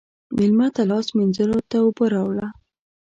مېلمه ته لاس مینځلو ته اوبه راوله.